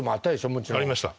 もちろん。ありました。